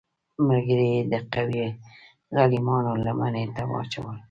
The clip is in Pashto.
ملګري یې د قوي غلیمانو لمنې ته واچول.